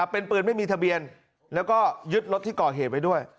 เป็นปืนไม่มีทะเบียนแล้วก็ยึดรถที่ก่อเหตุไว้ด้วย